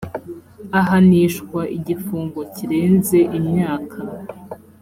ahanishwa igifungo kirenze imyaka